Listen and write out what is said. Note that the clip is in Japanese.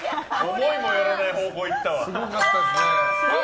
思いもよらない方法いったわ。